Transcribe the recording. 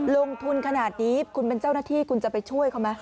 ลงทุนขนาดนี้คุณเป็นเจ้าหน้าที่คุณจะไปช่วยเขาไหม